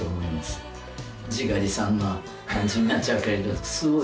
自画自賛な感じになっちゃうけれど。